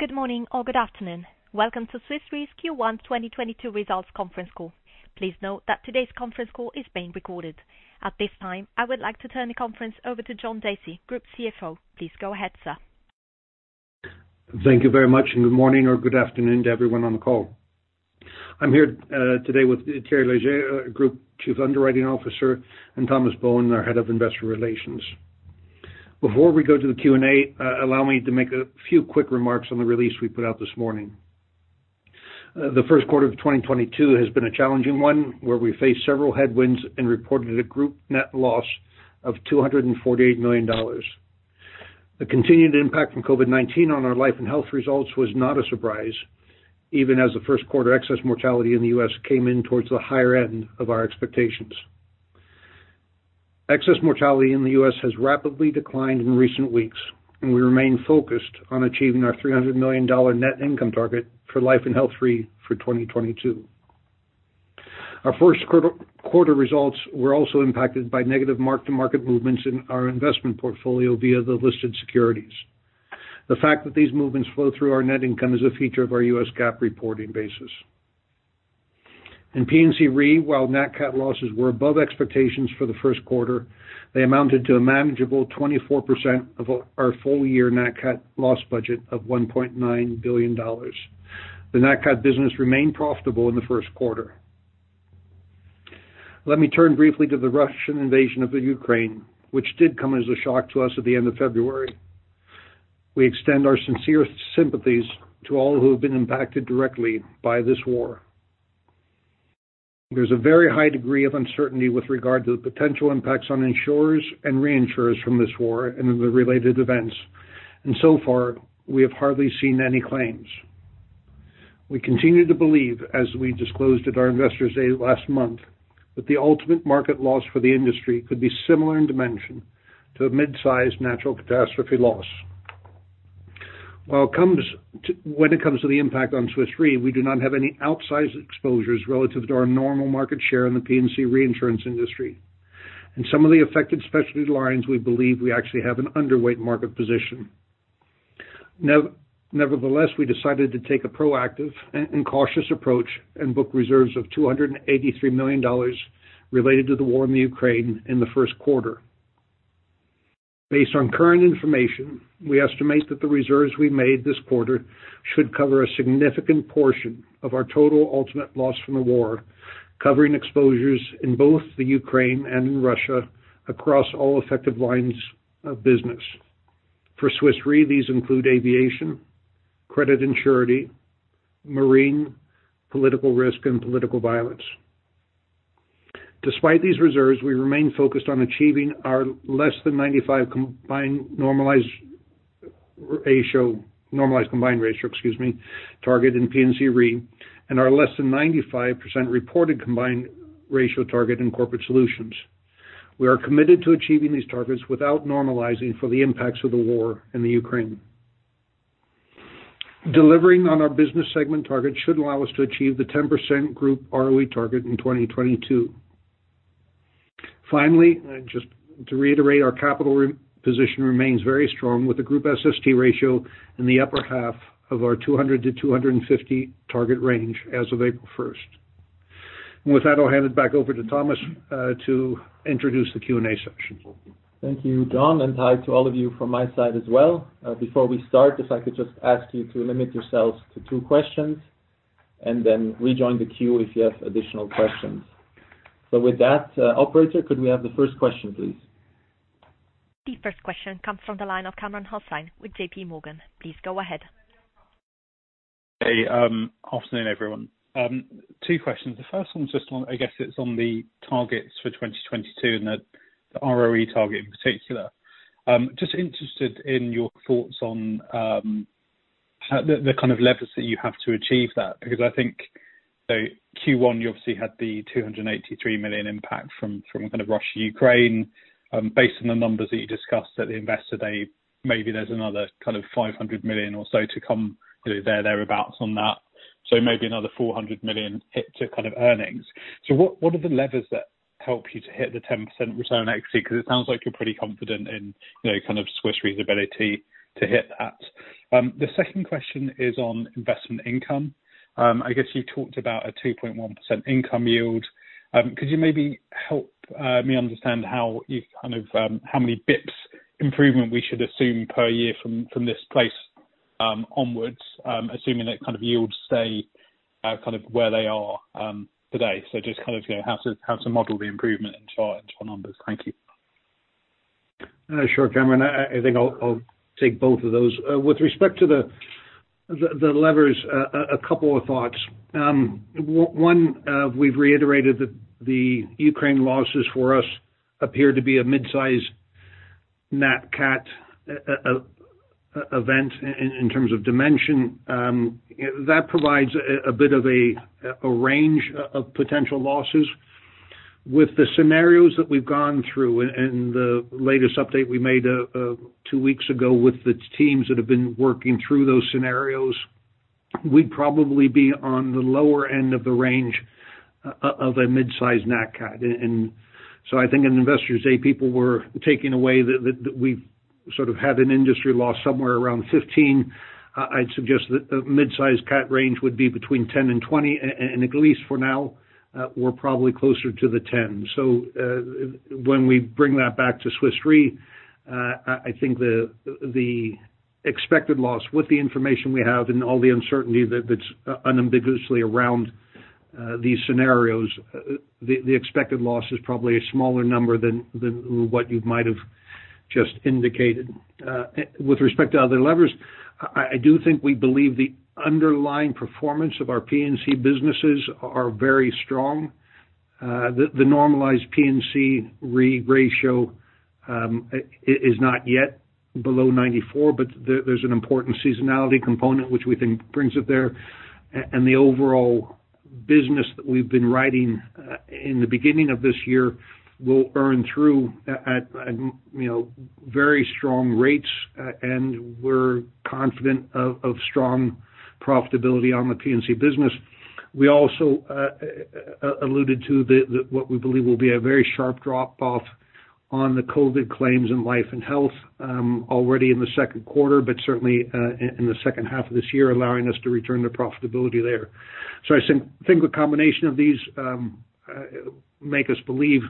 Good morning or good afternoon. Welcome to Swiss Re's Q1 2022 results conference call. Please note that today's conference call is being recorded. At this time, I would like to turn the conference over to John Dacey, Group CFO. Please go ahead, sir. Thank you very much, and good morning or good afternoon to everyone on the call. I'm here today with Thierry Léger, our Group Chief Underwriting Officer, and Thomas Bohun, our Head of Investor Relations. Before we go to the Q&A, allow me to make a few quick remarks on the release we put out this morning. The Q1 of 2022 has been a challenging one, where we faced several headwinds and reported a group net loss of $248 million. The continued impact from COVID-19 on our life and health results was not a surprise, even as the Q1 excess mortality in the U.S. came in towards the higher end of our expectations. Excess mortality in the U.S. has rapidly declined in recent weeks, and we remain focused on achieving our $300 million net income target for Life & Health Re for 2022. Our Q1 results were also impacted by negative mark-to-market movements in our investment portfolio via the listed securities. The fact that these movements flow through our net income is a feature of our US GAAP reporting basis. In P&C Re, while net cat losses were above expectations for the Q1, they amounted to a manageable 24% of our full-year net cat loss budget of $1.9 billion. The net cat business remained profitable in the Q1. Let me turn briefly to the Russian invasion of the Ukraine, which did come as a shock to us at the end of February. We extend our sincere sympathies to all who have been impacted directly by this war. There's a very high degree of uncertainty with regard to the potential impacts on insurers and reinsurers from this war and the related events, and so far, we have hardly seen any claims. We continue to believe, as we disclosed at our Investors' Day last month, that the ultimate market loss for the industry could be similar in dimension to a mid-sized natural catastrophe loss. When it comes to the impact on Swiss Re, we do not have any outsized exposures relative to our normal market share in the P&C reinsurance industry. In some of the affected specialty lines, we believe we actually have an underweight market position. Nevertheless, we decided to take a proactive and cautious approach and book reserves of $283 million related to the war in the Ukraine in the Q1. Based on current information, we estimate that the reserves we made this quarter should cover a significant portion of our total ultimate loss from the war, covering exposures in both the Ukraine and in Russia across all effective lines of business. For Swiss Re, these include aviation, credit and surety, marine, political risk, and political violence. Despite these reserves, we remain focused on achieving our less than 95 combined normalized ratio, normalized combined ratio, excuse me, target in P&C Re, and our less than 95% reported combined ratio target in Corporate Solutions. We are committed to achieving these targets without normalizing for the impacts of the war in the Ukraine. Delivering on our business segment target should allow us to achieve the 10% group ROE target in 2022. Finally, just to reiterate, our capital position remains very strong with the group SST ratio in the upper half of our 200 to 250 target range as of April 1st. With that, I'll hand it back over to Thomas to introduce the Q&A section. Thank you, John, and hi to all of you from my side as well. Before we start, if I could just ask you to limit yourselves to 2 questions, and then rejoin the queue if you have additional questions. With that, operator, could we have the 1st question, please? The 1st question comes from the line of Kamran Hossain with JPMorgan. Please go ahead. Hey, afternoon, everyone. 2 questions. The first one's just on, I guess it's on the targets for 2022 and the ROE target in particular. Just interested in your thoughts on how the kind of levers that you have to achieve that, because I think, you know, Q1, you obviously had the $283 million impact from kind of Russia, Ukraine. Based on the numbers that you discussed at Investors' Day, maybe there's another kind of $500 million or so to come, you know, there or thereabouts on that. Maybe another $400 million hit to kind of earnings. What are the levers that help you to hit the 10% return on equity? 'Cause it sounds like you're pretty confident in, you know, kind of Swiss Re's ability to hit that. The 2nd question is on investment income. I guess you talked about a 2.1% income yield. Could you maybe help me understand how you've kind of how many basis points improvement we should assume per year from this place onwards, assuming that kind of yields stay kind of where they are today. Just kind of, you know, how to model the improvement in yield into our numbers. Thank you. Sure, Kamran Hossain. I think I'll take both of those. With respect to the levers, a couple of thoughts. 1, we've reiterated that the Ukraine losses for us appear to be a mid-sized net cat event in terms of dimension. That provides a bit of a range of potential losses. With the scenarios that we've gone through and the latest update we made two weeks ago with the teams that have been working through those scenarios, we'd probably be on the lower end of the range of a mid-size nat cat. I think in Investor Day, people were taking away that we've sort of had an industry loss somewhere around 15. I'd suggest that the mid-size cat range would be between 10 and 20, and at least for now, we're probably closer to the 10. When we bring that back to Swiss Re, I think the expected loss with the information we have and all the uncertainty that's unambiguously around these scenarios, the expected loss is probably a smaller number than what you might have just indicated. With respect to other levers, I do think we believe the underlying performance of our P&C businesses are very strong. The normalized P&C Re ratio is not yet below 94%, but there's an important seasonality component which we think brings it there. The overall business that we've been writing in the beginning of this year will earn through at, you know, very strong rates, and we're confident of strong profitability on the P&C business. We also alluded to what we believe will be a very sharp drop off on the COVID claims in life and health already in the Q2, but certainly in the H2 of this year, allowing us to return to profitability there. I think the combination of these make us believe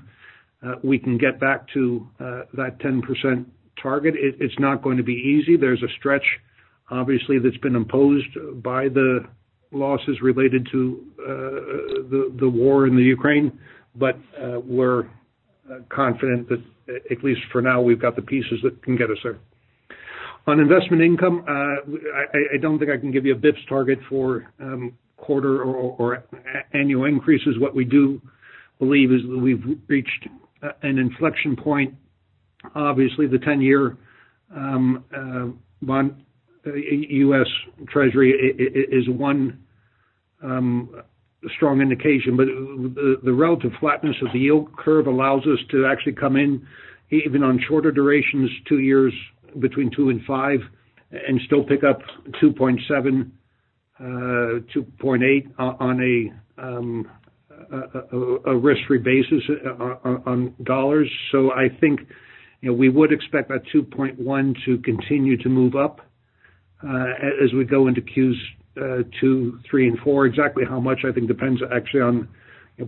we can get back to that 10% target. It's not going to be easy. There's a stretch, obviously, that's been imposed by the losses related to the war in the Ukraine. We're confident that, at least for now, we've got the pieces that can get us there. On investment income, I don't think I can give you an EBIT target for quarter or annual increases. What we do believe is that we've reached an inflection point. Obviously, the 10-year bond, U.S. Treasury is 1 strong indication. The relative flatness of the yield curve allows us to actually come in even on shorter durations, 2 years between 2 and 5, and still pick up 2.7, 2.8 on a risk-free basis in dollars. I think, you know, we would expect that 2.1 to continue to move up as we go into Q2, Q3, and Q4. Exactly how much, I think, depends actually on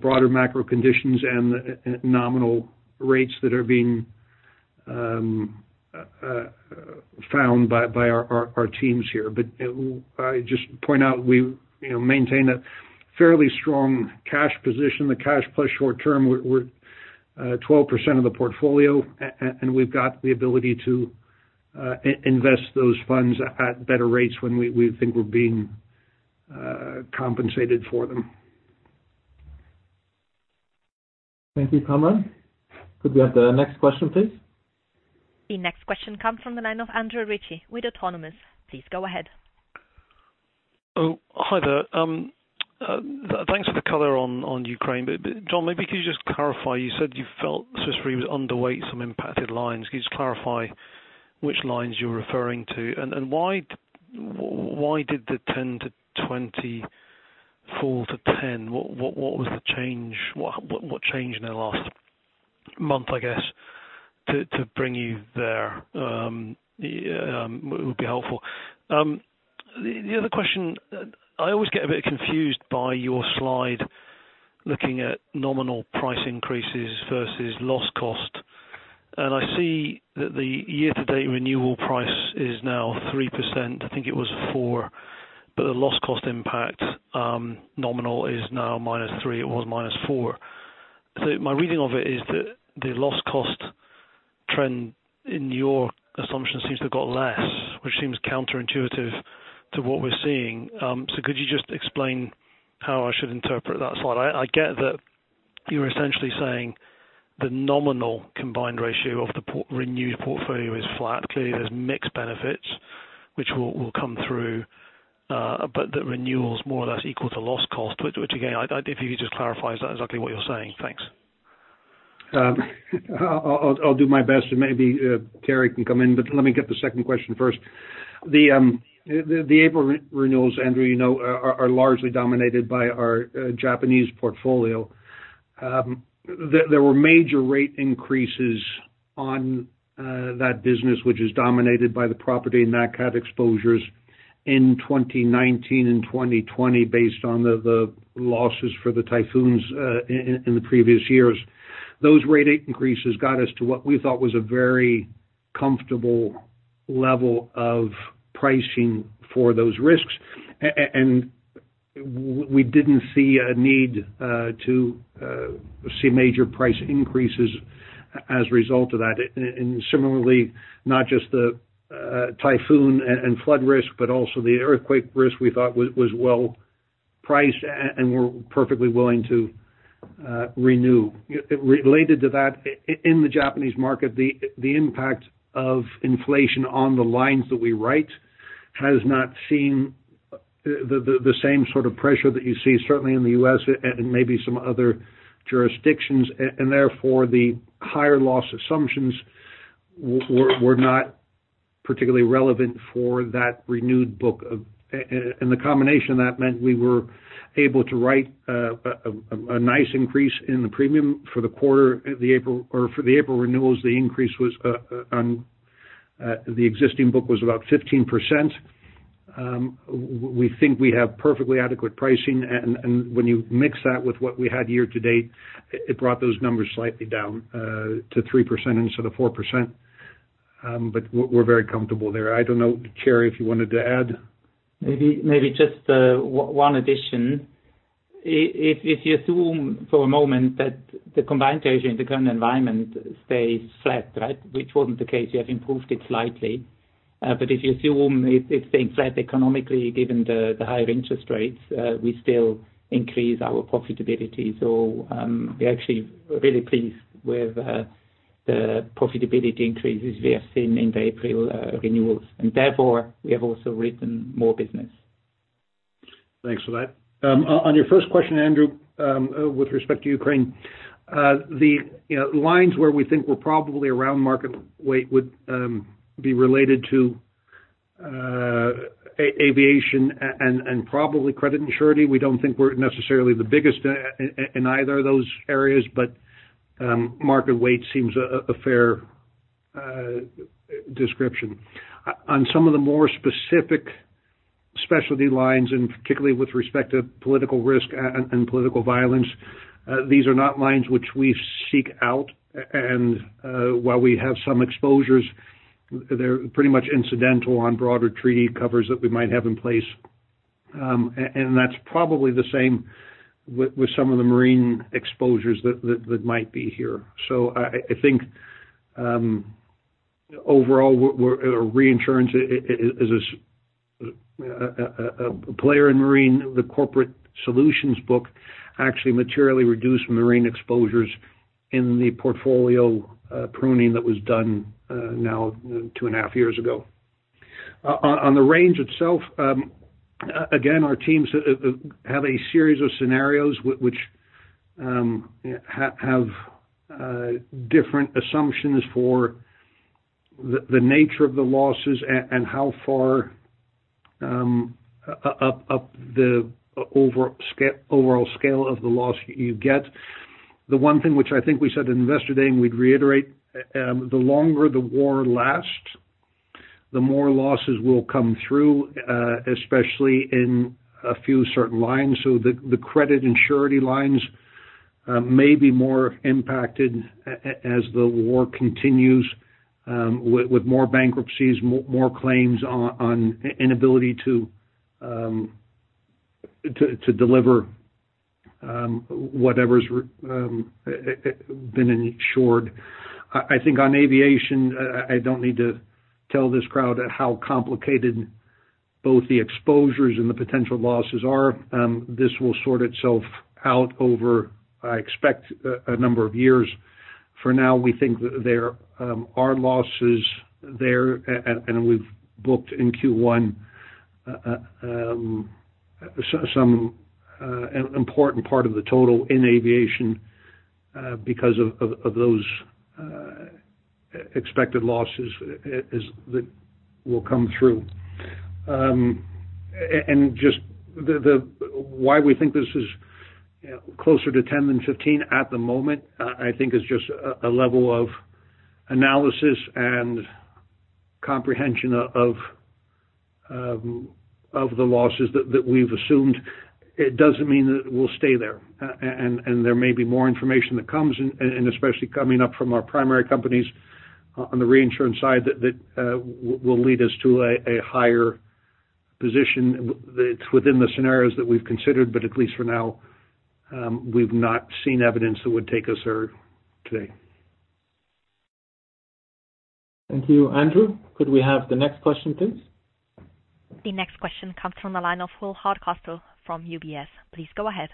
broader macro conditions and nominal rates that are being found by our teams here. I just point out we, you know, maintain a fairly strong cash position. The cash plus short term, we're 12% of the portfolio, and we've got the ability to invest those funds at better rates when we think we're being compensated for them. Thank you, Kamran Hossain. Could we have the next question, please? The next question comes from the line of Andrew Ritchie with Autonomous. Please go ahead. Oh, hi there. Thanks for the color on Ukraine. John, maybe could you just clarify, you said you felt Swiss Re was underweight some impacted lines. Could you just clarify which lines you're referring to? Why did the 10 to 24 to 10, what was the change? What changed in the last month, I guess, to bring you there? It would be helpful. The other question, I always get a bit confused by your slide looking at nominal price increases versus loss cost. I see that the year-to-date renewal price is now 3%. I think it was 4%, but the loss cost impact, nominal, is now -3%. It was -4%. My reading of it is that the loss cost trend in your assumption seems to have got less, which seems counterintuitive to what we're seeing. Could you just explain how I should interpret that slide? I get that you're essentially saying the nominal combined ratio of the renewed portfolio is flat. Clearly, there's mixed benefits which will come through, but the renewal is more or less equal to loss cost. Which again, if you could just clarify if that's exactly what you're saying. Thanks. I'll do my best and maybe Thierry Léger can come in, but let me get the 2nd question st. The April renewals, Andrew, you know, are largely dominated by our Japanese portfolio. There were major rate increases on that business, which is dominated by the property and nat cat exposures in 2019 and 2020 based on the losses for the typhoons in the previous years. Those rate increases got us to what we thought was a very comfortable level of pricing for those risks. We didn't see a need to see major price increases as a result of that. Similarly, not just the typhoon and flood risk, but also the earthquake risk we thought was well priced and we're perfectly willing to renew. Related to that, in the Japanese market, the impact of inflation on the lines that we write has not seen the same sort of pressure that you see certainly in the U.S. and maybe some other jurisdictions. Therefore, the higher loss assumptions. We're not particularly relevant for that renewed book of. The combination of that meant we were able to write a nice increase in the premium for the quarter at the April renewals, the increase on the existing book was about 15%. We think we have perfectly adequate pricing. When you mix that with what we had year-to-date, it brought those numbers slightly down to 3% instead of 4%. We're very comfortable there. I don't know, Thierry Léger, if you wanted to add. Maybe just one addition. If you assume for a moment that the combined ratio in the current environment stays flat, right? Which wasn't the case, you have improved it slightly. But if you assume it stays flat economically, given the higher interest rates, we still increase our profitability. We actually are really pleased with the profitability increases we have seen in the April renewals. Therefore, we have also written more business. Thanks for that. On your 1st question, Andrew, with respect to Ukraine, you know, the lines where we think we're probably around market weight would be related to aviation and probably credit and surety. We don't think we're necessarily the biggest in either of those areas, but market weight seems a fair description. On some of the more specific specialty lines, and particularly with respect to Political Risk and Political Violence, these are not lines which we seek out. While we have some exposures, they're pretty much incidental on broader treaty covers that we might have in place. That's probably the same with some of the marine exposures that might be here. I think overall, reinsurance is a player in marine. The Corporate Solutions book actually materially reduced marine exposures in the portfolio, pruning that was done, now two and a half years ago. On the range itself, again, our teams have a series of scenarios which have different assumptions for the nature of the losses and how far up the overall scale of the loss you get. The one thing which I think we said in Investors' Day, and we'd reiterate, the longer the war lasts, the more losses will come through, especially in a few certain lines. The Credit and Surety lines may be more impacted as the war continues, with more bankruptcies, more claims on inability to deliver whatever's been insured. I think on aviation, I don't need to tell this crowd how complicated both the exposures and the potential losses are. This will sort itself out over, I expect, a number of years. For now, we think that there are losses there, and we've booked in Q1 some an important part of the total in aviation because of those expected losses that will come through. Just the why we think this is, you know, closer to 10 than 15 at the moment, I think is just a level of analysis and comprehension of the losses that we've assumed. It doesn't mean that we'll stay there. There may be more information that comes, and especially coming up from our primary companies on the reinsurance side that will lead us to a higher position that's within the scenarios that we've considered. At least for now, we've not seen evidence that would take us there today. Thank you. Andrew, could we have the next question, please? The next question comes from the line of Will Hardcastle from UBS. Please go ahead.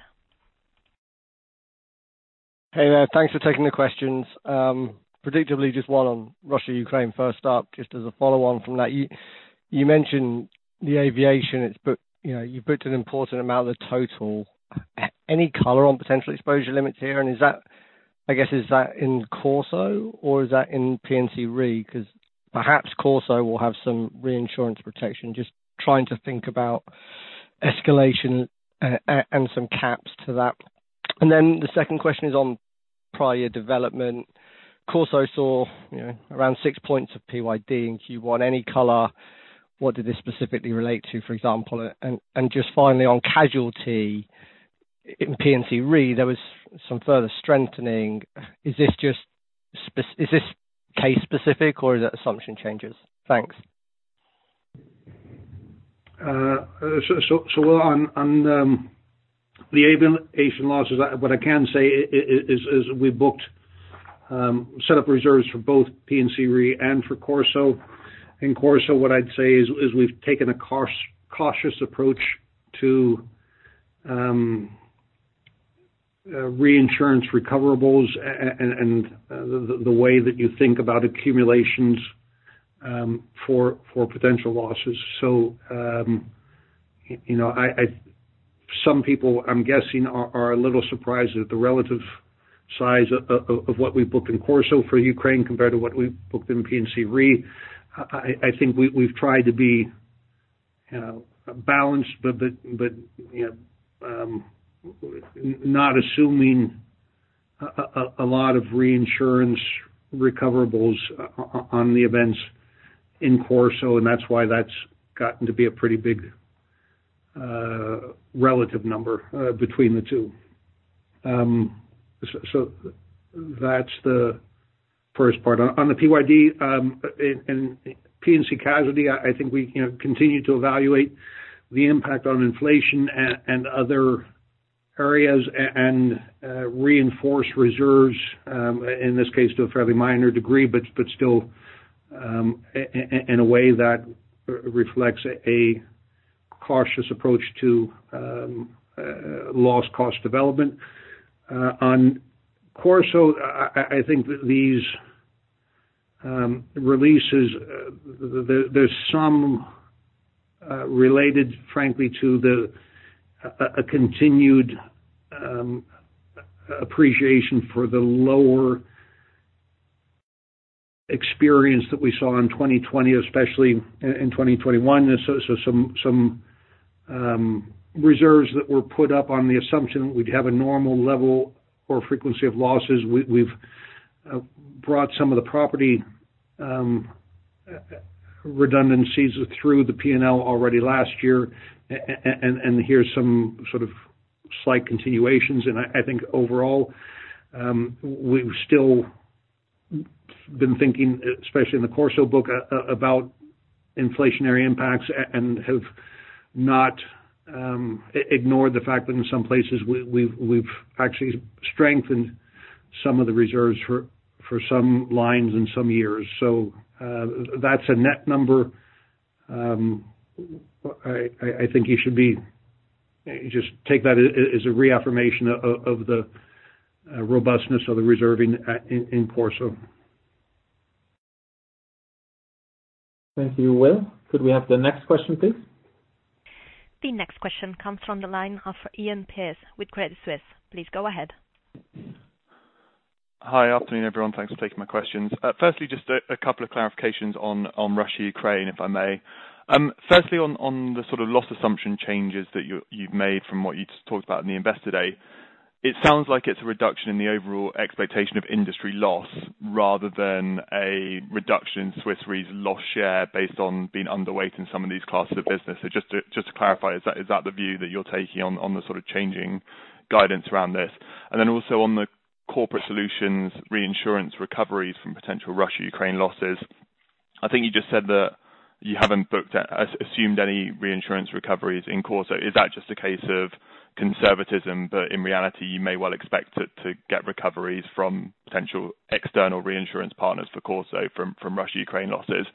Hey there. Thanks for taking the questions. Predictably, just one on Russia-Ukraine. 1st up, just as a follow-on from that, you mentioned the aviation. It's booked, you know, you booked an important amount of the total. Any color on potential exposure limits here? And is that, I guess, is that in CorSo or is that in P&C Re? Because perhaps CorSo will have some reinsurance protection. Just trying to think about escalation and some caps to that. And then the 2nd question is on prior development. CorSo saw, you know, around six points of PYD in Q1. Any color? What did this specifically relate to, for example? And just finally on casualty in P&C Re, there was some further strengthening. Is this just case specific or is that assumption changes? Thanks. On the aviation losses, what I can say is we booked set up reserves for both P&C Re and for CorSo. In CorSo, what I'd say is we've taken a cautious approach to reinsurance recoverables and the way that you think about accumulations for potential losses. Some people, I'm guessing, are a little surprised at the relative size of what we've booked in CorSo for Ukraine compared to what we've booked in P&C Re. I think we've tried to be, you know, balanced, but you know not assuming a lot of reinsurance recoverables on the events in CorSo, and that's why that's gotten to be a pretty big relative number between the two. That's the first part. On the PYD in P&C Casualty, I think we, you know, continue to evaluate the impact on inflation and other areas and reinforce reserves in this case to a fairly minor degree, but still in a way that reflects a cautious approach to loss cost development. On CorSo, I think these releases, there's some related frankly to a continued appreciation for the lower experience that we saw in 2020, especially in 2021. Some reserves that were put up on the assumption we'd have a normal level or frequency of losses. We've brought some of the property redundancies through the P&L already last year. Here's some sort of slight continuations. I think overall, we've still been thinking, especially in the CorSo book, about inflationary impacts and have not ignored the fact that in some places we've actually strengthened some of the reserves for some lines in some years. That's a net number. I think you should just take that as a reaffirmation of the robustness of the reserving in CorSo. Thank you, Will. Could we have the next question, please? The next question comes from the line of Andrew Pearse with Credit Suisse. Please go ahead. Hi. Afternoon, everyone. Thanks for taking my questions. Firstly, just a couple of clarifications on Russia, Ukraine, if I may. Firstly on the sort of loss assumption changes that you've made from what you just talked about in the Investors' Day. It sounds like it's a reduction in the overall expectation of industry loss rather than a reduction in Swiss Re's loss share based on being underweight in some of these classes of business. Just to clarify, is that the view that you're taking on the sort of changing guidance around this? Also on the Corporate Solutions reinsurance recoveries from potential Russia, Ukraine losses, I think you just said that you haven't assumed any reinsurance recoveries in CorSo. Is that just a case of conservatism, but in reality you may well expect to get recoveries from potential external reinsurance partners for CorSo from Russia, Ukraine losses?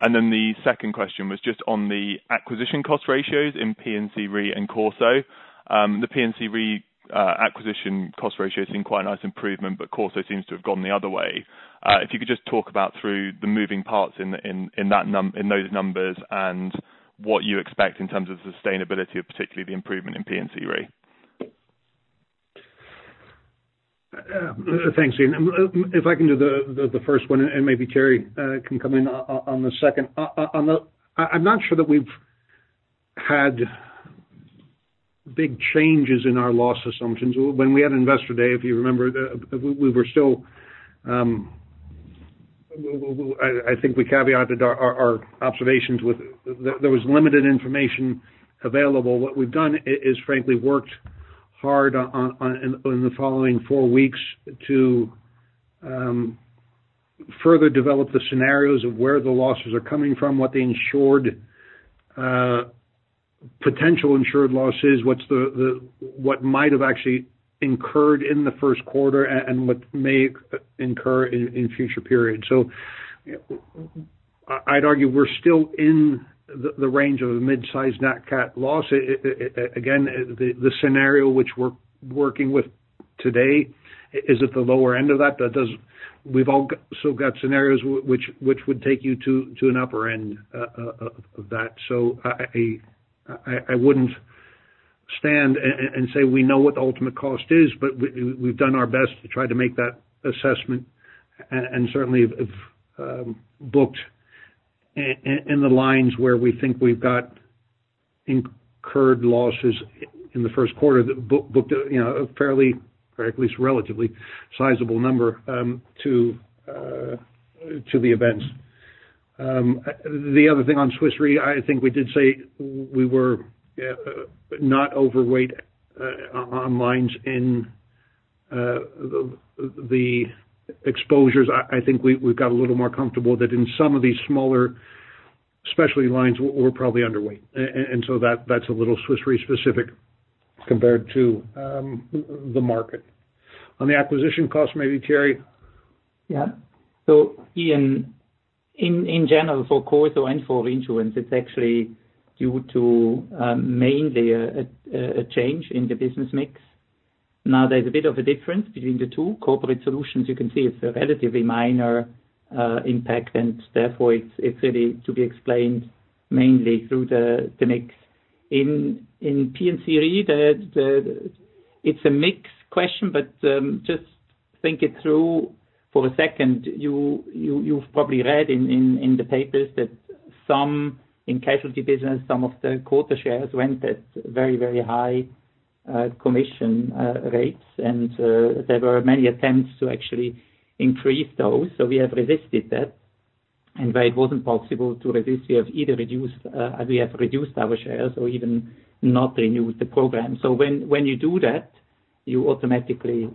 Then the 2nd question was just on the acquisition cost ratios in P&C Re and CorSo. The P&C Re acquisition cost ratio has been quite a nice improvement, but CorSo seems to have gone the other way. If you could just talk about the moving parts in those numbers and what you expect in terms of sustainability of particularly the improvement in P&C Re. Thanks, Andrew. If I can do the first one, and maybe Thierry Léger can come in on the 2nd. On the first one, I'm not sure that we've had big changes in our loss assumptions. When we had Investors' Day, if you remember, we were still. I think we caveated our observations with there was limited information available. What we've done is frankly worked hard on, in the following four weeks to further develop the scenarios of where the losses are coming from, what the insured potential insured losses, what might have actually incurred in the Q1 and what may incur in future periods. I'd argue we're still in the range of a mid-sized nat cat loss. Again, the scenario which we're working with today is at the lower end of that. That does. We've all still got scenarios which would take you to an upper end of that. I wouldn't stand and say we know what the ultimate cost is, but we've done our best to try to make that assessment and certainly have booked in the lines where we think we've got incurred losses in the Q1, booked a, you know, a fairly or at least relatively sizable number to the events. The other thing on Swiss Re, I think we did say we were not overweight on lines in the exposures. I think we've got a little more comfortable that in some of these smaller specialty lines we're probably underweight. That's a little Swiss Re specific compared to the market. On the acquisition cost, maybe Thierry Léger. Andrew, in general, for CorSo and for reinsurance, it's actually due to mainly a change in the business mix. Now there's a bit of a difference between the two Corporate Solutions. You can see it's a relatively minor impact, and therefore it's really to be explained mainly through the mix. In P&C Re, it's a mix question, but just think it through for a second. You've probably read in the papers that some in casualty business, some of the quota shares went at very high commission rates. There were many attempts to actually increase those, so we have resisted that. Where it wasn't possible to resist, we have either reduced our shares or even not renewed the program. When you do that, you automatically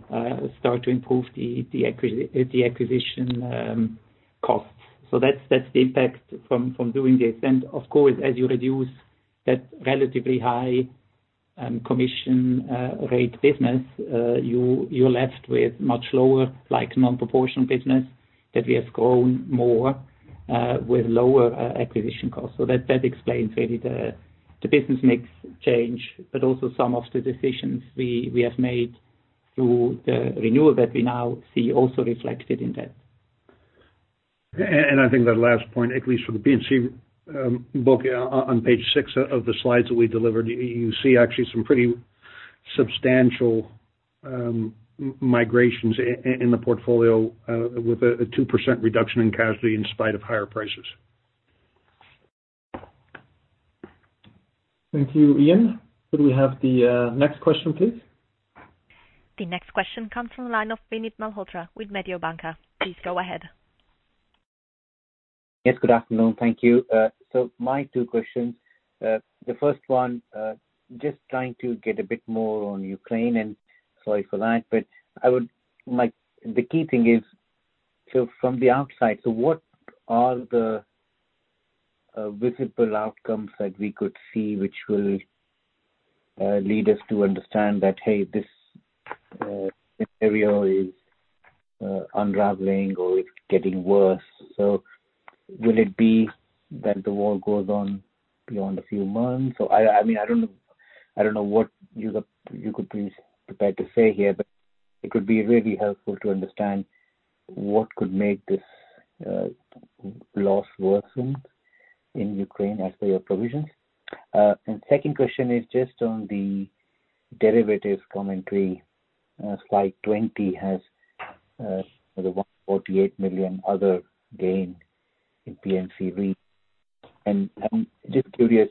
start to improve the acquisition costs. That's the impact from doing this. Of course, as you reduce that relatively high commission rate business, you're left with much lower, like non-proportional business that we have grown more with lower acquisition costs. That explains really the business mix change, but also some of the decisions we have made through the renewal that we now see also reflected in that. I think that last point, at least for the P&C book on page 6 of the slides that we delivered, you see actually some pretty substantial migrations in the portfolio with a 2% reduction in casualty in spite of higher prices. Thank you, Andrew. Could we have the next question, please? The next question comes from the line of Vinit Malhotra with Mediobanca. Please go ahead. Yes, good afternoon. Thank you. My 2 questions. The 1st one, just trying to get a bit more on Ukraine and sorry for that, but I would like the key thing is, so from the outside, so what are the visible outcomes that we could see which will lead us to understand that, hey, this scenario is unraveling or it's getting worse. Will it be that the war goes on beyond a few months? I mean, I don't know what you've got to say here, but it could be really helpful to understand what could make this loss worsen in Ukraine as per your provisions. 2nd question is just on the derivatives commentary. Slide 20 has the $148 million other gain in P&C Re. I'm just curious,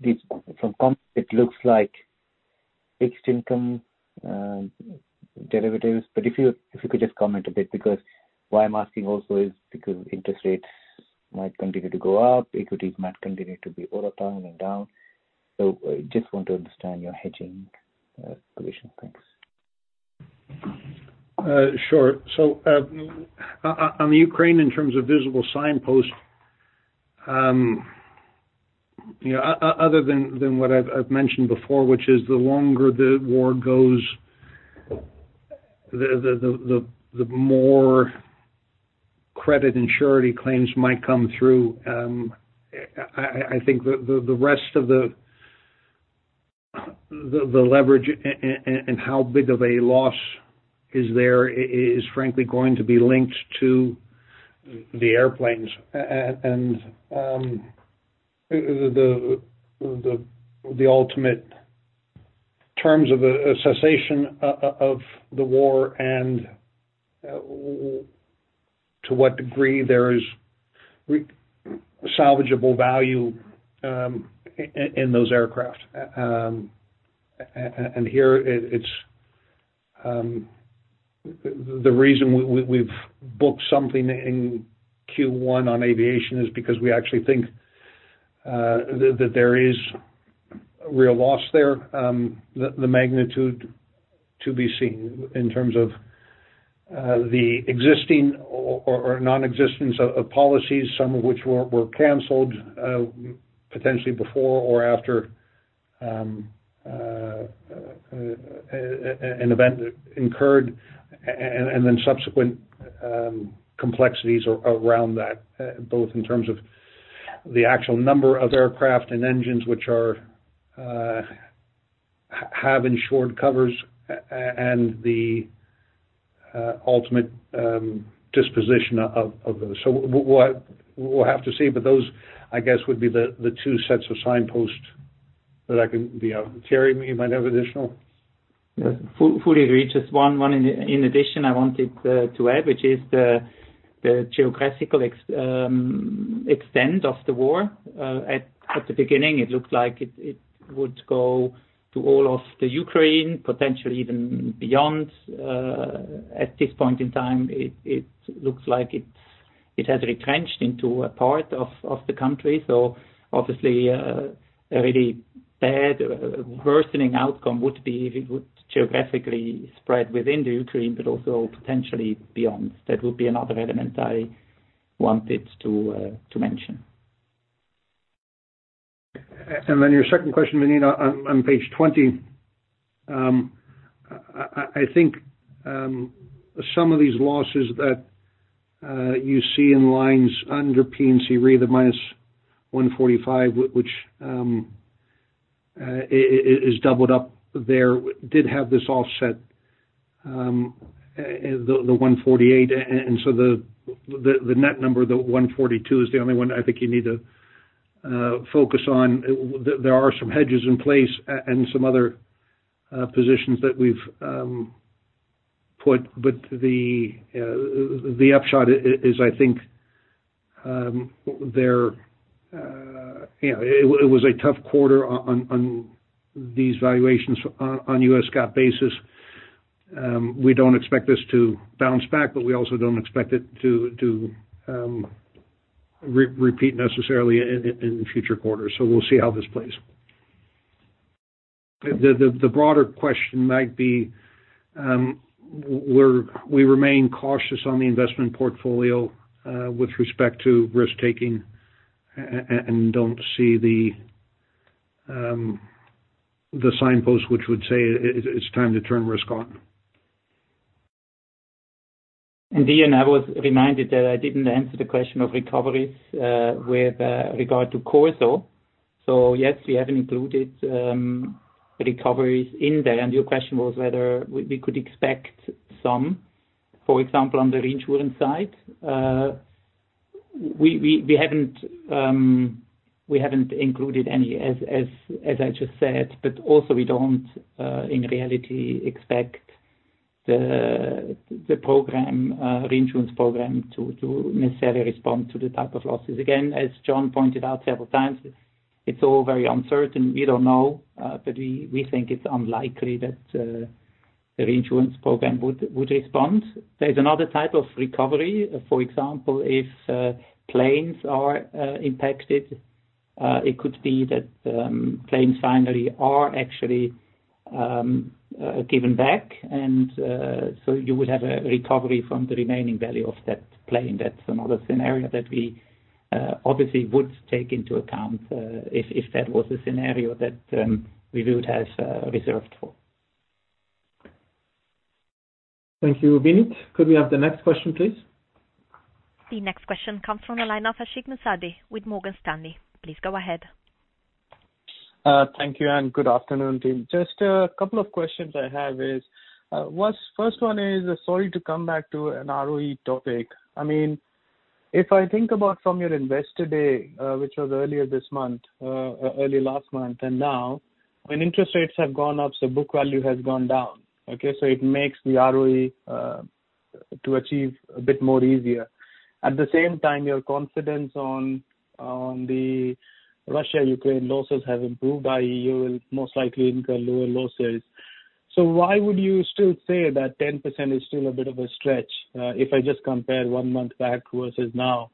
this from comment, it looks like fixed income, derivatives, but if you could just comment a bit, because why I'm asking also is because interest rates might continue to go up, equities might continue to be overdone and down. Just want to understand your hedging position. Thanks. On the Ukraine, in terms of visible signpost, you know, other than what I've mentioned before, which is the longer the war goes, the more Credit and Surety claims might come through. I think the rest of the leverage and how big of a loss there is frankly going to be linked to the airplanes. The ultimate terms of a cessation of the war and to what degree there is salvageable value in those aircraft. Here it is. The reason we've booked something in Q1 on aviation is because we actually think that there is real loss there. The magnitude to be seen in terms of the existing or nonexistence of policies, some of which were canceled potentially before or after an event occurred, and then subsequent complexities around that, both in terms of the actual number of aircraft and engines which have insured covers and the ultimate disposition of those. We'll have to see, but those, I guess, would be the two sets of signposts that I can think of. Thierry Léger, you might have additional. Yes. Fully agree. Just one in addition I wanted to add, which is the geographical extent of the war. At the beginning, it looked like it would go to all of the Ukraine, potentially even beyond. At this point in time, it looks like it has retrenched into a part of the country. Obviously, a really bad worsening outcome would be if it would geographically spread within the Ukraine but also potentially beyond. That would be another element I wanted to mention. Your 2nd question, Vinit, on page 20, I think some of these losses that you see in lines under P&C Re, the -$145, which is doubled up there, did have this offset, the $148. So the net number, the $142 is the only one I think you need to focus on. There are some hedges in place and some other positions that we've put, but the upshot is I think, you know, it was a tough quarter on these valuations on US GAAP basis. We don't expect this to bounce back, but we also don't expect it to repeat necessarily in future quarters. We'll see how this plays. The broader question might be, we remain cautious on the investment portfolio with respect to risk taking and don't see the signpost, which would say it's time to turn risk on. Andrew, I was reminded that I didn't answer the question of recoveries with regard to CorSo. Yes, we haven't included recoveries in there. Your question was whether we could expect some, for example, on the reinsurance side. We haven't included any as I just said, but also we don't in reality expect the program, reinsurance program to necessarily respond to the type of losses. Again, as John pointed out several times, it's all very uncertain. We don't know, but we think it's unlikely that the reinsurance program would respond. There's another type of recovery. For example, if planes are impacted, it could be that planes finally are actually given back. You would have a recovery from the remaining value of that plane. That's another scenario that we obviously would take into account, if that was a scenario that we would have reserved for. Thank you, Vinit. Could we have the next question, please? The next question comes from the line of Ashik Musaddi with Morgan Stanley. Please go ahead. Thank you, and good afternoon, team. Just a couple of questions I have is, first one is, sorry to come back to an ROE topic. I mean, if I think about from your Investors' Day, which was earlier this month, early last month, and now when interest rates have gone up, so book value has gone down. Okay, so it makes the ROE to achieve a bit more easier. At the same time, your confidence on the Russia-Ukraine losses have improved by you will most likely incur lower losses. Why would you still say that 10% is still a bit of a stretch, if I just compare one month back versus now?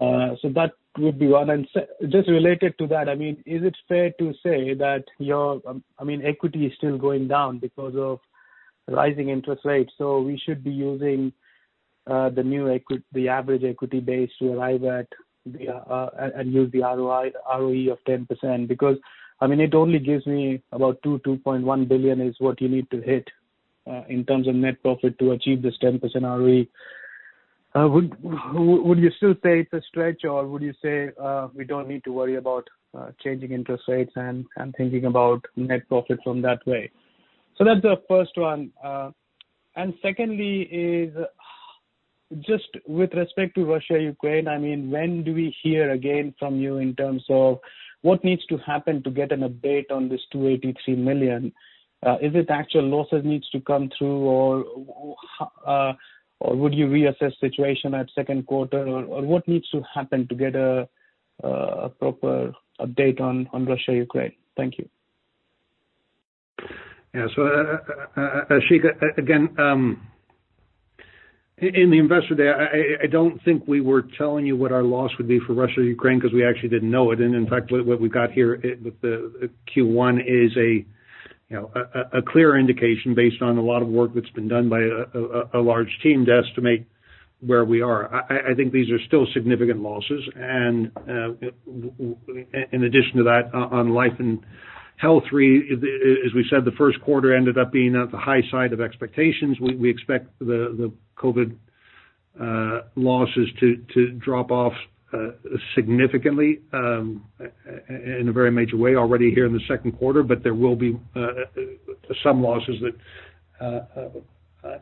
That would be one. Just related to that, I mean, is it fair to say that your, I mean, equity is still going down because of rising interest rates, so we should be using, the new equity, the average equity base to arrive at the, and use the ROI, the ROE of 10%? Because, I mean, it only gives me about $2.1 billion is what you need to hit, in terms of net profit to achieve this 10% ROE. Would you still say it's a stretch, or would you say, we don't need to worry about, changing interest rates and, thinking about net profits from that way? That's the first one. Secondly, just with respect to Russia-Ukraine, I mean, when do we hear again from you in terms of what needs to happen to get an update on this $283 million? Is it actual losses needs to come through, or would you reassess situation at Q2, or what needs to happen to get a proper update on Russia-Ukraine? Thank you. Yeah. Ashik, again, in the Investors' Day, I don't think we were telling you what our loss would be for Russia-Ukraine 'cause we actually didn't know it. In fact, what we've got here with the Q1 is, you know, a clear indication based on a lot of work that's been done by a large team to estimate where we are. I think these are still significant losses. In addition to that, on life and health, as we said, the Q1 ended up being at the high side of expectations. We expect the COVID losses to drop off significantly in a very major way already here in the Q2. There will be some losses that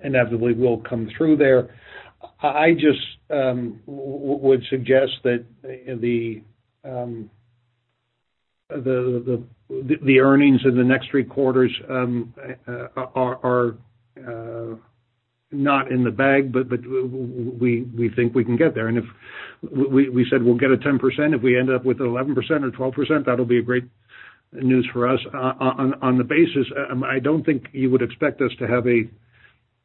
inevitably will come through there. I just would suggest that the earnings in the next Q3 are not in the bag, but we think we can get there. If we said we'll get a 10%, if we end up with 11% or 12%, that'll be great news for us. On the basis, I don't think you would expect us to have a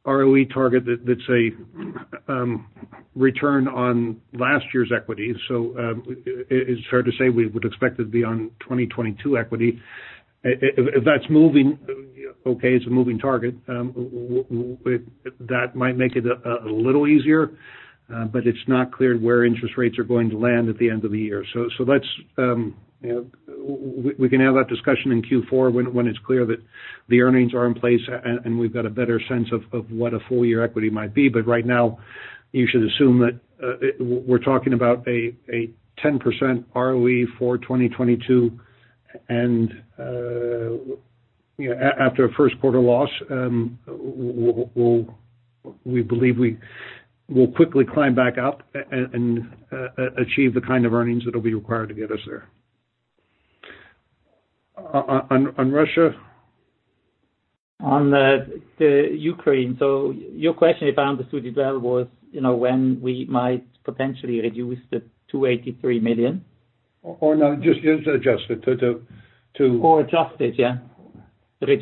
ROE target that's a return on last year's equity. It's fair to say we would expect it to be on 2022 equity. If that's moving, okay, it's a moving target. That might make it a little easier, but it's not clear where interest rates are going to land at the end of the year. Let's, you know, we can have that discussion in Q4 when it's clear that the earnings are in place and we've got a better sense of what a full year equity might be. Right now you should assume that we're talking about a 10% ROE for 2022. Yeah, after a Q1 loss, we believe we will quickly climb back up and achieve the kind of earnings that will be required to get us there. On Russia? On the Ukraine. Your question, if I understood it well, was, you know, when we might potentially reduce the $283 million. Oh, no, just adjust it to Okay,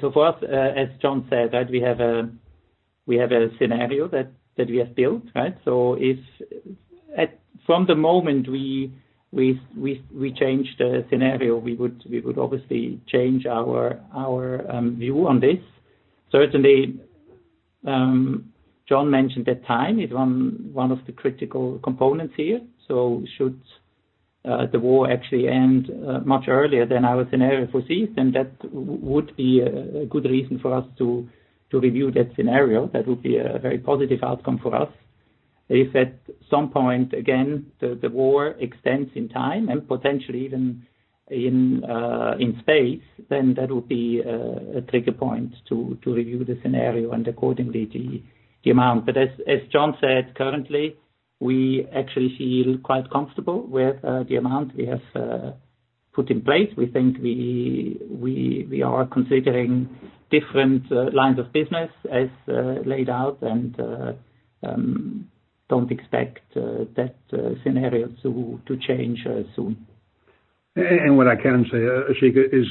for us, as John said, right, we have a scenario that we have built, right? If from the moment we change the scenario, we would obviously change our view on this. Certainly, John mentioned that time is one of the critical components here. Should the war actually end much earlier than our scenario foresees, then that would be a good reason for us to review that scenario. That would be a very positive outcome for us. If at some point, again, the war extends in time and potentially even in space, then that would be a trigger point to review the scenario and accordingly the amount. As John said, currently, we actually feel quite comfortable with the amount we have put in place. We think we are considering different lines of business as laid out and don't expect that scenario to change soon. What I can say, Ashik, is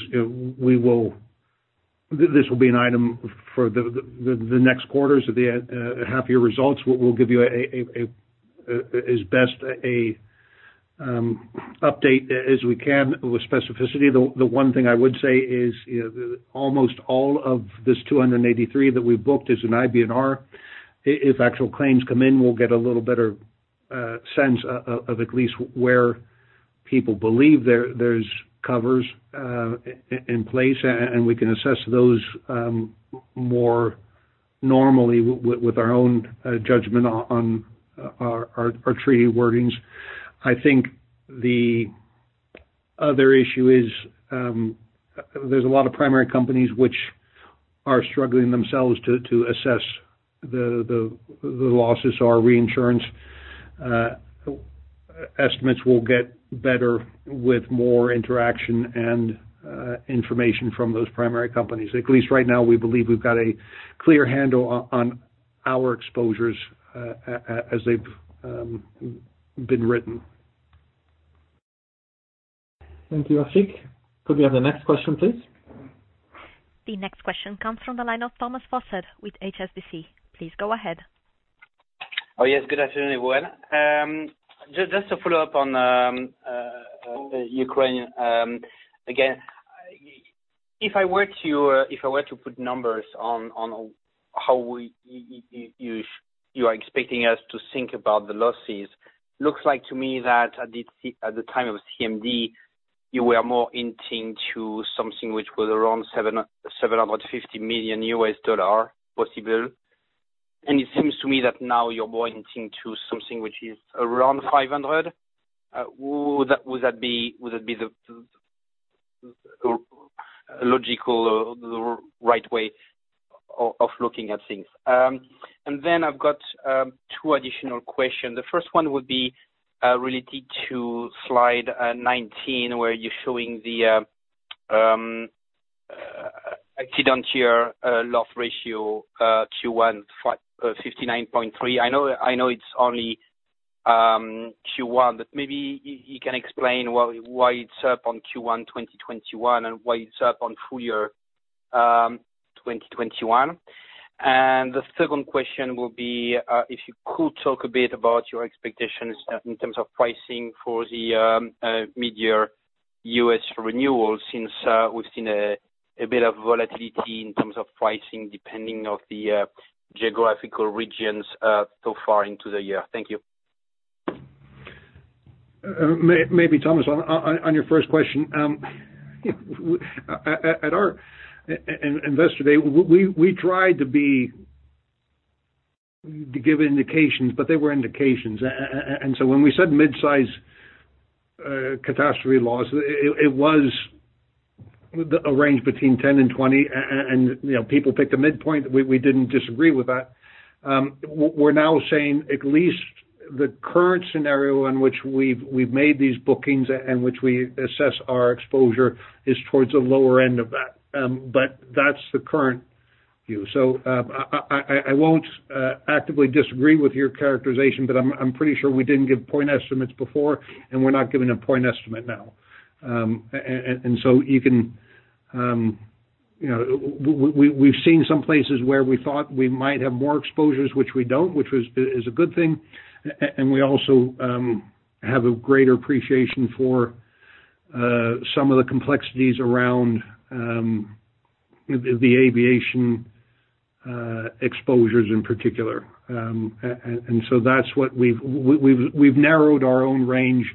this will be an item for the next quarters of the half year results. We'll give you as best an update as we can with specificity. The one thing I would say is, you know, almost all of this 283 that we booked is an IBNR. If actual claims come in, we'll get a little better sense of at least where people believe there's covers in place, and we can assess those more normally with our own judgment on our treaty wordings. I think the other issue is, there's a lot of primary companies which are struggling themselves to assess the losses. Our reinsurance estimates will get better with more interaction and information from those primary companies. At least right now, we believe we've got a clear handle on our exposures as they've been written. Thank you, Ashik. Could we have the next question, please? The next question comes from the line of Thomas Fossard with HSBC. Please go ahead. Oh, yes. Good afternoon, everyone. Just to follow up on Ukraine. Again, if I were to put numbers on how you are expecting us to think about the losses, looks like to me that at the time of CMD, you were more hinting to something which was around $750 million possible. It seems to me that now you're more hinting to something which is around $500 million. Would that be the logical or the right way of looking at things? Then I've got 2 additional questions. The first one would be related to slide 19, where you're showing the accident year loss ratio Q1 59.3. I know it's only Q1, but maybe you can explain why it's up on Q1 2021 and why it's up on full year 2021. The 2nd question will be, if you could talk a bit about your expectations in terms of pricing for the midyear U.S. renewals since we've seen a bit of volatility in terms of pricing depending on the geographical regions so far into the year. Thank you. Maybe Thomas, on your 1st question, at our Investor Day, we tried to give indications, but they were indications. When we said mid-size catastrophe losses, it was a range between 10 and 20. You know, people picked a midpoint. We didn't disagree with that. We're now saying at least the current scenario in which we've made these bookings and which we assess our exposure is towards the lower end of that. But that's the current view. I won't actively disagree with your characterization, but I'm pretty sure we didn't give point estimates before, and we're not giving a point estimate now. you can, you know, we’ve seen some places where we thought we might have more exposures, which we don’t, which is a good thing. We also have a greater appreciation for some of the complexities around the aviation exposures in particular. That's what we've narrowed our own range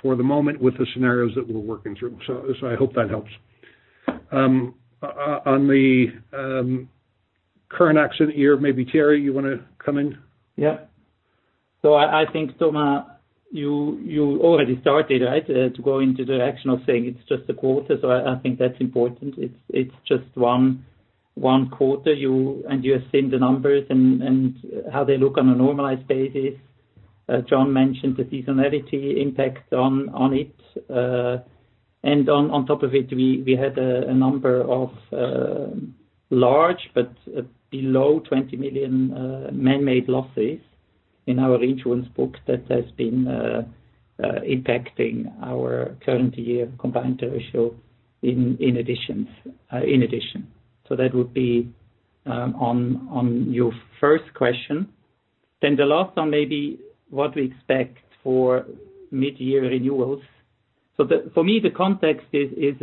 for the moment with the scenarios that we're working through. I hope that helps. On the current accident year, maybe Thierry Léger, you want to come in? I think, Thomas, you already started right to go into the aspect of saying it's just a quarter. I think that's important. It's just one quarter. You have seen the numbers and how they look on a normalized basis. John mentioned the seasonality impact on it. And on top of it, we had a number of large but below $20 million man-made losses in our insurance book that has been impacting our current year combined ratio in addition. That would be on your 1st question. The last one, maybe what we expect for mid-year renewals. For me, the context is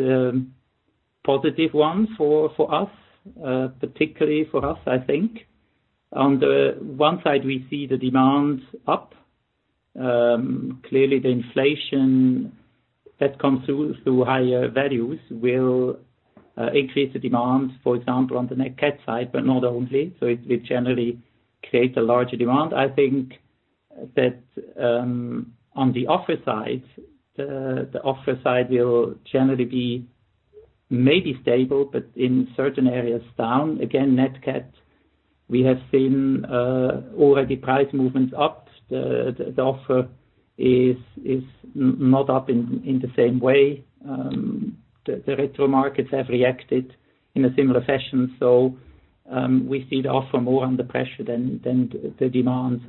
positive one for us, particularly for us, I think. On the one side, we see the demands up. Clearly the inflation that comes through higher values will increase the demand, for example, on the net cat side, but not only. It will generally create a larger demand. I think that on the offer side, the offer side will generally be maybe stable, but in certain areas down. Again, net cat, we have seen already price movements up. The offer is not up in the same way. The retro markets have reacted in a similar fashion. We see the offer more under pressure than the demands.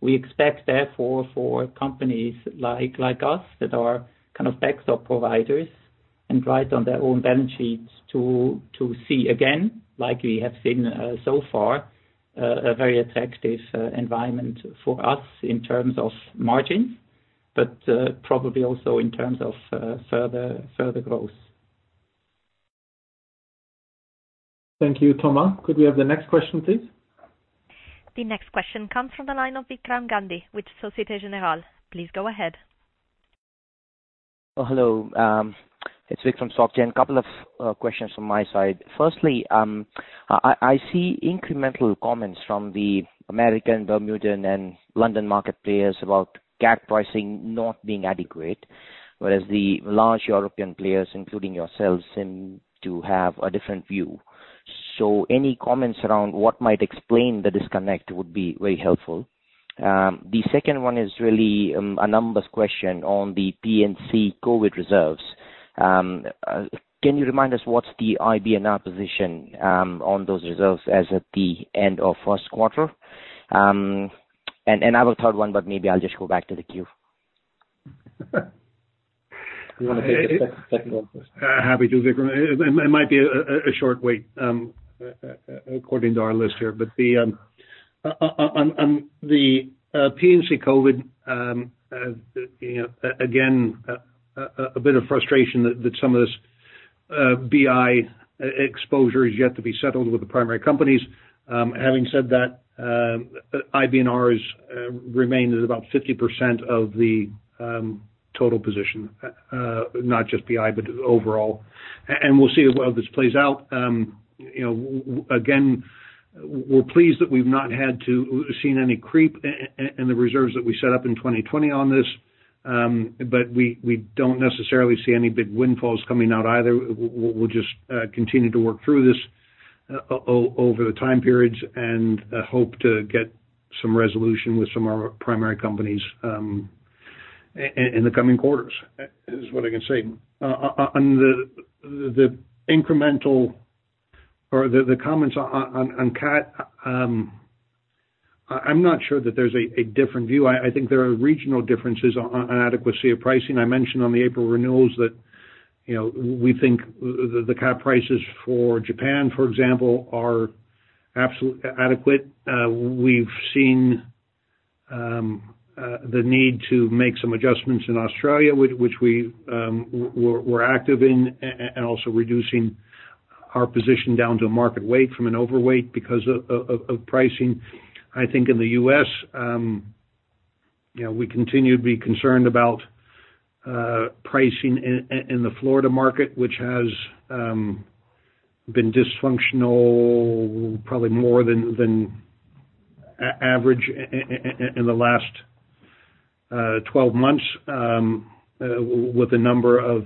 We expect therefore for companies like us that are kind of backstop providers and write on their own balance sheets to see again, like we have seen so far, a very attractive environment for us in terms of margins, but probably also in terms of further growth. Thank you, Thomas. Could we have the next question, please? The next question comes from the line of Vikram Gandhi with Société Générale. Please go ahead. Oh, hello. It's Vikram from Societe Generale. A couple of questions from my side. Firstly, I see incremental comments from the American, Bermudan, and London market players about cat pricing not being adequate, whereas the large European players, including yourselves, seem to have a different view. Any comments around what might explain the disconnect would be very helpful. The second one is really a numbers question on the P&C COVID reserves. Can you remind us what's the IBNR position on those reserves as at the end of Q1? And I have a third one, but maybe I'll just go back to the queue. Do you wanna take the second one first? Happy to, Vikram. It might be a short wait according to our list here. On the P&C COVID, you know, again, a bit of frustration that some of this BI exposure is yet to be settled with the primary companies. Having said that, IBNRs remain at about 50% of the total position, not just BI, but overall. And we'll see how well this plays out. You know, again, we're pleased that we've not had to see any creep in the reserves that we set up in 2020 on this. We don't necessarily see any big windfalls coming out either. We'll just continue to work through this over the time periods and hope to get some resolution with some of our primary companies in the coming quarters, is what I can say. On the incremental or the comments on cat, I'm not sure that there's a different view. I think there are regional differences on adequacy of pricing. I mentioned on the April renewals that, you know, we think the cat prices for Japan, for example, are absolutely adequate. We've seen the need to make some adjustments in Australia, which we were active in, and also reducing our position down to a market weight from an overweight because of pricing. I think in the US, you know, we continue to be concerned about pricing in the Florida market, which has been dysfunctional probably more than average in the last 12 months, with a number of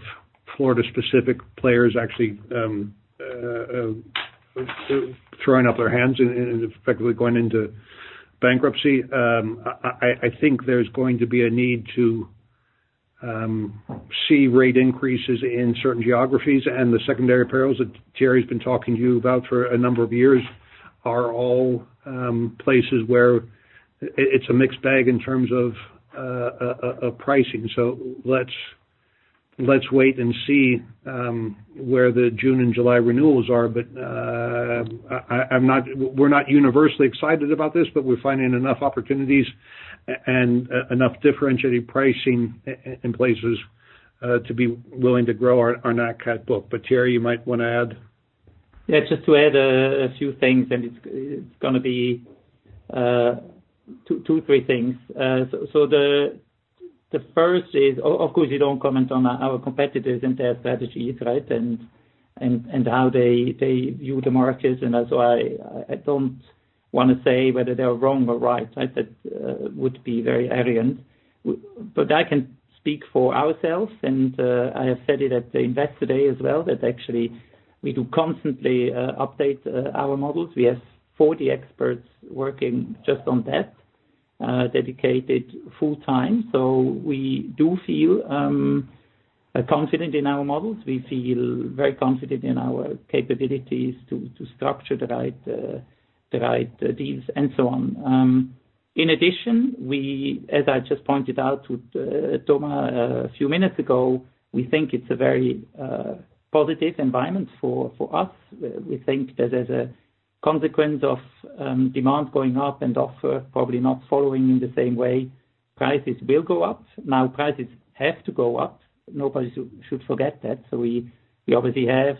Florida specific players actually throwing up their hands and effectively going into bankruptcy. I think there's going to be a need to see rate increases in certain geographies. The secondary perils that Terry's been talking to you about for a number of years are all places where it's a mixed bag in terms of pricing. Let's wait and see where the June and July renewals are. We're not universally excited about this, but we're finding enough opportunities and enough differentiating pricing in places to be willing to grow our net cat book. Thierry, you might want to add. Yeah, just to add a few things, and it's gonna be two to three things. So the first is, of course, you don't comment on our competitors and their strategies, right? And how they view the markets, and that's why I don't wanna say whether they are wrong or right. That would be very arrogant. I can speak for ourselves, and I have said it at the Investors' Day as well, that actually we do constantly update our models. We have 40 experts working just on that, dedicated full time. We do feel confident in our models. We feel very confident in our capabilities to structure the right deals and so on. In addition, we, as I just pointed out with Thomas a few minutes ago, we think it's a very positive environment for us. We think that as a consequence of demand going up and offer probably not following in the same way, prices will go up. Now, prices have to go up. Nobody should forget that. We obviously have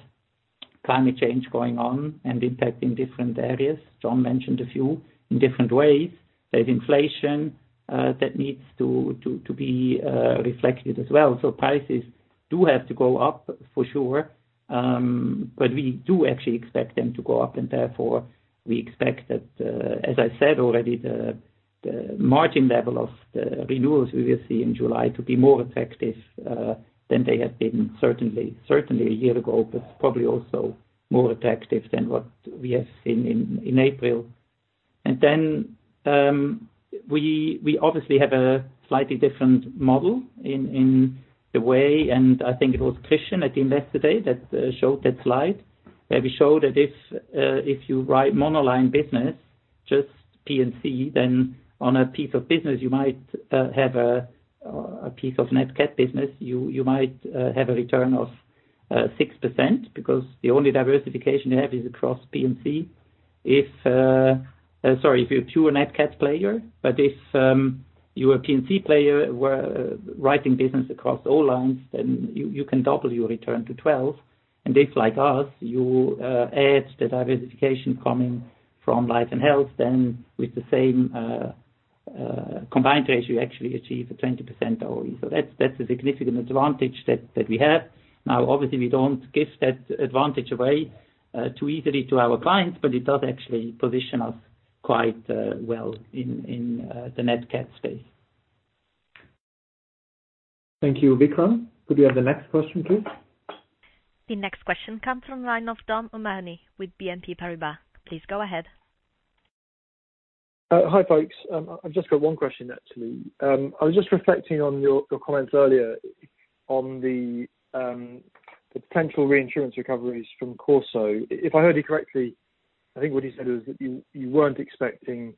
climate change going on and impacting different areas. John mentioned a few in different ways. There's inflation that needs to be reflected as well. Prices do have to go up for sure. We do actually expect them to go up, and therefore we expect that, as I said already, the margin level of the renewals we will see in July to be more attractive than they have been certainly a year ago, but probably also more attractive than what we have seen in April. We obviously have a slightly different model in the way, and I think it was Christian at Investors' Day that showed that slide, where we showed that if you write monoline business, just P&C, then on a piece of business, you might have a piece of net cat business. You might have a return of 6% because the only diversification you have is across P&C. Sorry, if you're a pure net cat player. If you're a P&C player, writing business across all lines, then you can double your return to 12. If like us, you add the diversification coming from life and health, then with the same combined ratio, you actually achieve a 20% ROE. That's a significant advantage that we have. Now, obviously, we don't give that advantage away too easily to our clients, but it does actually position us quite well in the net cat space. Thank you. Vikram, could we have the next question, please? The next question comes from the line of Dominic O'Mahony with BNP Paribas. Please go ahead. Hi, folks. I've just got one question, actually. I was just reflecting on your comments earlier on the potential reinsurance recoveries from CorSo. If I heard you correctly, I think what you said is that you weren't expecting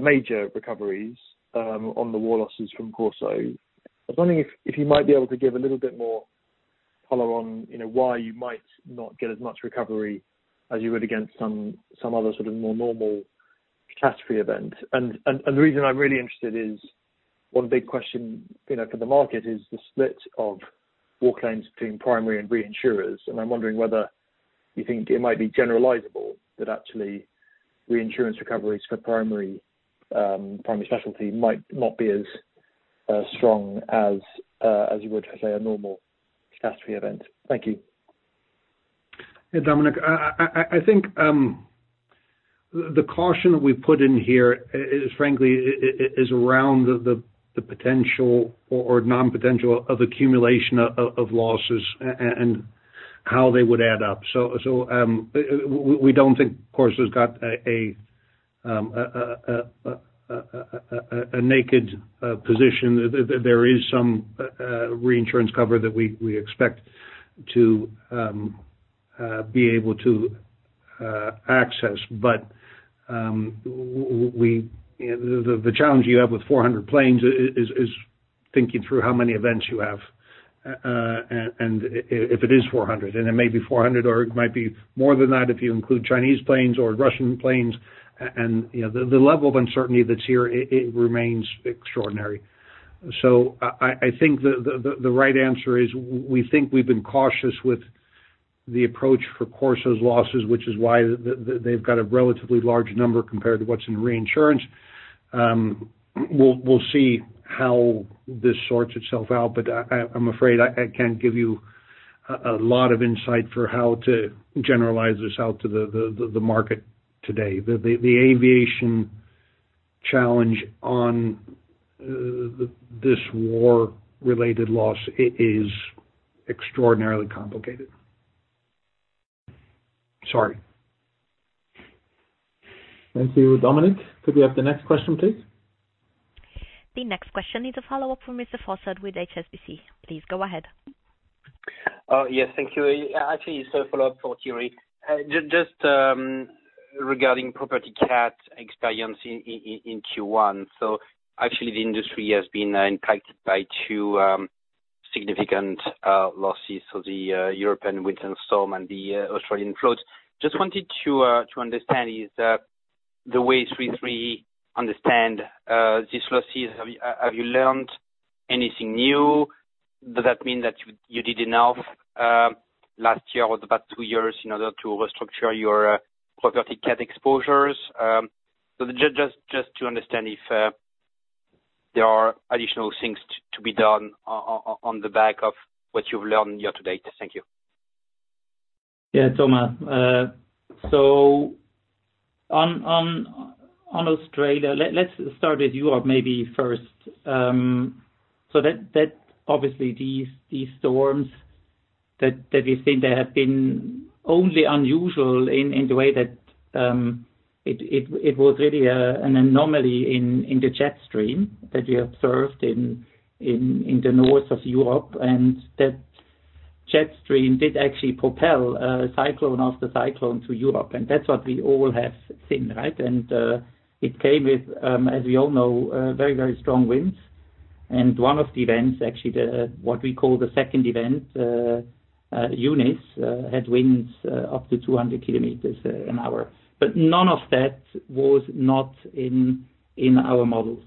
major recoveries on the war losses from CorSo. I was wondering if you might be able to give a little bit more color on, you know, why you might not get as much recovery as you would against some other sort of more normal catastrophe event. The reason I'm really interested is one big question, you know, for the market is the split of war claims between primary and reinsurers. I'm wondering whether you think it might be generalizable that actually reinsurance recoveries for primary specialty might not be as you would for, say, a normal catastrophe event. Thank you. Yeah, Dominic. I think the caution that we put in here is frankly around the potential or non-potential of accumulation of losses and how they would add up. We don't think CorSo's got a naked position. There is some reinsurance cover that we expect to be able to access. The challenge you have with 400 planes is thinking through how many events you have and if it is 400. It may be 400, or it might be more than that if you include Chinese planes or Russian planes. You know, the level of uncertainty that's here, it remains extraordinary. I think the right answer is we think we've been cautious with the approach for CorSo's losses, which is why they've got a relatively large number compared to what's in reinsurance. We'll see how this sorts itself out, but I'm afraid I can't give you a lot of insight for how to generalize this out to the market today. The aviation challenge on this war-related loss is extraordinarily complicated. Sorry. Thank you, Dominic. Could we have the next question, please? The next question is a follow-up from Mr. Fossard with HSBC. Please go ahead. Yes, thank you. Actually, follow-up for Thierry. Just regarding property cat experience in Q1. Actually, the industry has been impacted by 2 significant losses. The European wind and storm and the Australian floods. Just wanted to understand how Swiss Re understands these losses. Have you learned anything new? Does that mean that you did enough last year or the past 2 years in order to restructure your property cat exposures? Just to understand if there are additional things to be done on the back of what you've learned year to date. Thank you. Yeah, Thomas. On Australia, let's start with Europe maybe first. That obviously these storms that we've seen, they have been only unusual in the way that it was really an anomaly in the jet stream that we observed in the north of Europe, and that jet stream did actually propel cyclone after cyclone to Europe. That's what we all have seen, right? It came with, as we all know, very strong winds. One of the events, actually the what we call the 2nd event, Eunice, had winds up to 200 kilometers an hour. None of that was not in our model.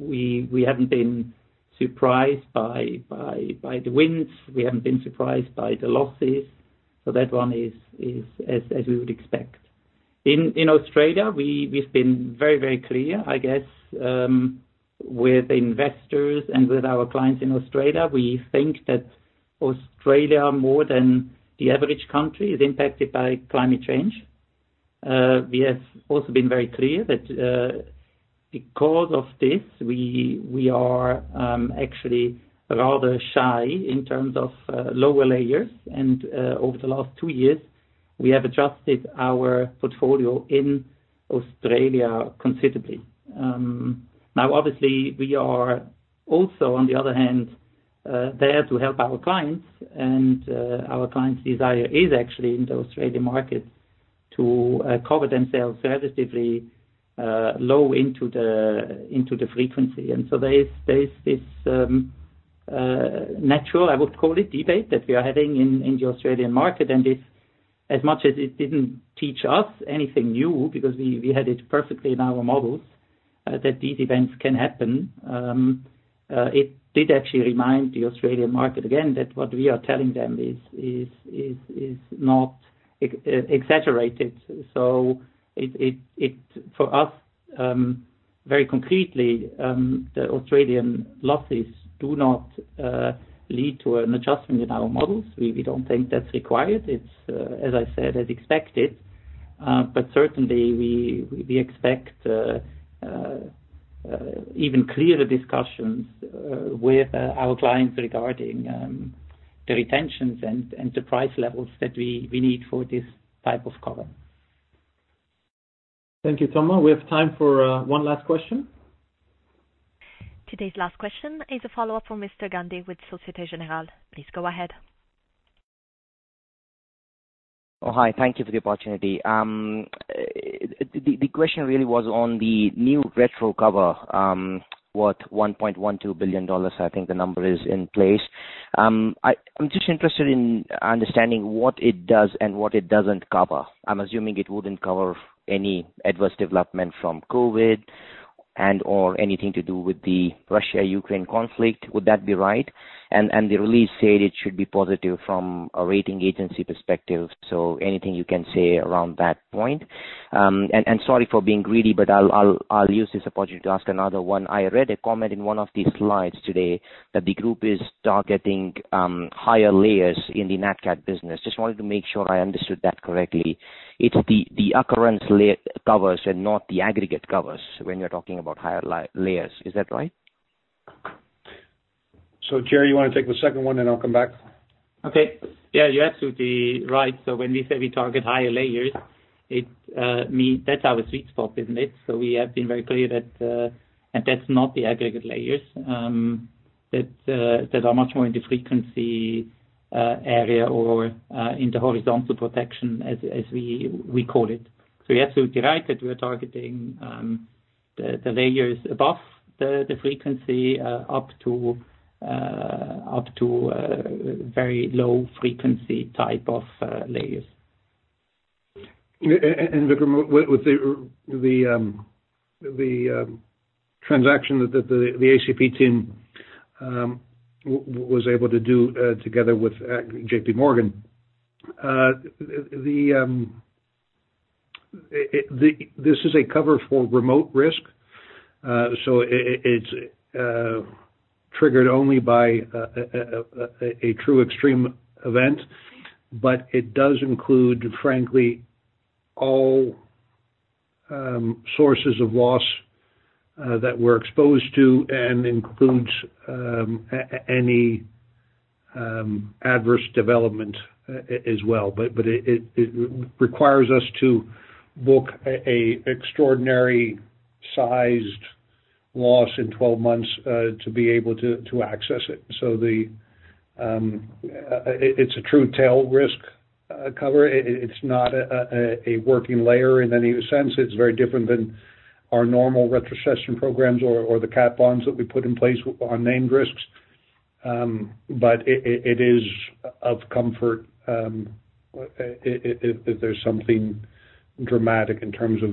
We haven't been surprised by the winds. We haven't been surprised by the losses. That one is as we would expect. In Australia, we've been very clear, I guess, with investors and with our clients in Australia. We think that Australia more than the average country is impacted by climate change. We have also been very clear that because of this, we are actually rather shy in terms of lower layers. Over the last two years, we have adjusted our portfolio in Australia considerably. Now obviously we are also on the other hand there to help our clients and our clients' desire is actually in the Australian market to cover themselves relatively low into the frequency. This, as much as it didn't teach us anything new, because we had it perfectly in our models that these events can happen, it did actually remind the Australian market again that what we are telling them is not exaggerated. For us very concretely the Australian losses do not lead to an adjustment in our models. We don't think that's required. It's as I said, as expected. Certainly we expect even clearer discussions with our clients regarding the retentions and the price levels that we need for this type of cover. Thank you, Thomas. We have time for one last question. Today's last question is a follow-up from Mr. Gandhi with Société Générale. Please go ahead. Oh, hi. Thank you for the opportunity. The question really was on the new retro cover worth $1.12 billion, I think the number is in place. I'm just interested in understanding what it does and what it doesn't cover. I'm assuming it wouldn't cover any adverse development from COVID and/or anything to do with the Russia-Ukraine conflict. Would that be right? The release said it should be positive from a rating agency perspective. Anything you can say around that point? Sorry for being greedy, but I'll use this opportunity to ask another one. I read a comment in one of the slides today that the group is targeting higher layers in the nat cat business. Just wanted to make sure I understood that correctly. It's the occurrence layer covers and not the aggregate covers when you're talking about higher layers. Is that right? Thierry Léger, you wanna take the second one, then I'll come back? Okay. Yeah, you're absolutely right. When we say we target higher layers, it mean that's our sweet spot, isn't it? We have been very clear that and that's not the aggregate layers that are much more in the frequency area or in the horizontal protection as we call it. You're absolutely right that we're targeting the layers above the frequency up to very low frequency type of layers. And Vikram, with the transaction that the ACP team was able to do together with JPMorgan, this is a cover for remote risk. It's triggered only by a true extreme event. It does include, frankly, all sources of loss that we're exposed to and includes any adverse development as well. It requires us to book a extraordinary sized loss in 12 months to be able to access it. It's a true tail risk cover. It's not a working layer in any sense. It's very different than our normal retrocession programs or the cat bonds that we put in place on named risks. It is of comfort if there's something dramatic in terms of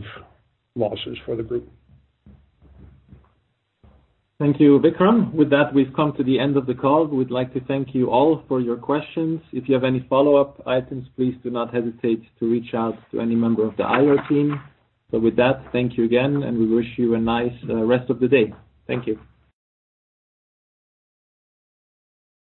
losses for the group. Thank you, Vikram. With that, we've come to the end of the call. We'd like to thank you all for your questions. If you have any follow-up items, please do not hesitate to reach out to any member of the IR team. With that, thank you again, and we wish you a nice rest of the day. Thank you.